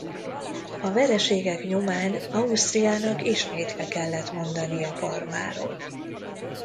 A vereségek nyomán Ausztriának ismét le kellett mondania Parmáról.